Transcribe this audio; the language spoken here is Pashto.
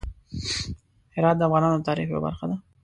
هرات د افغانانو د تاریخ یوه برخه ده.